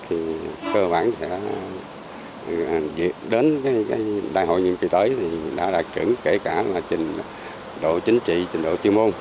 thì cơ bản sẽ đến cái đại hội nhiệm kỳ tới thì đã đạt trưởng kể cả là trình độ chính trị trình độ tiêu môn